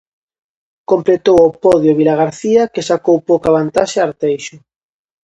Completou o podio Vilagarcía, que sacou pouca vantaxe a Arteixo.